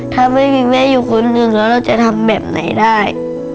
ถ้าไม่มีแม่อยู่คนหนึ่งแล้วเราจะทำแบบไหนได้